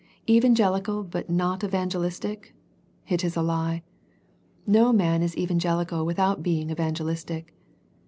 Evangelical but not evangelistic? It is a lie. No man is evangelical without being evangelistic.